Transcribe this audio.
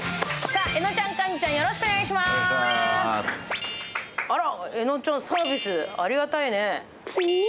あら、えのちゃん、サービスありがたいね。